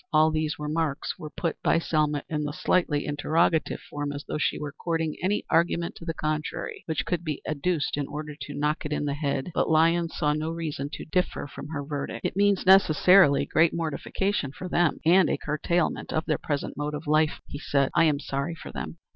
All these remarks were put by Selma in the slightly interrogative form, as though she were courting any argument to the contrary which could be adduced in order to knock it in the head. But Lyons saw no reason to differ from her verdict. "It means necessarily great mortification for them and a curtailment of their present mode of life," he said. "I am sorry for them."